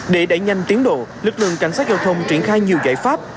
để đẩy nhanh tiến độ lực lượng cảnh sát giao thông triển khai nhiều giải pháp